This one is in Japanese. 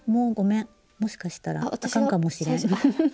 もしかしたらあかんかもしれん。